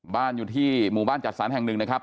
อยู่ที่หมู่บ้านจัดสรรแห่งหนึ่งนะครับ